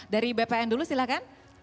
dari bpn dulu silahkan